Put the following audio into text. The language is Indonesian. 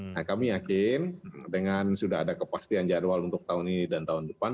nah kami yakin dengan sudah ada kepastian jadwal untuk tahun ini dan tahun depan